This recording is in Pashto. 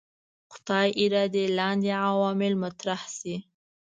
خدای ارادې لاندې عوامل مطرح شي.